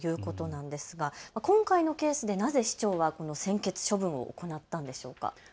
今回のケースでなぜ市長はこの専決処分を行ったんでしょうか。